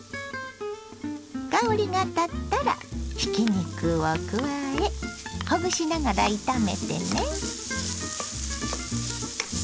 香りが立ったらひき肉を加えほぐしながら炒めてね。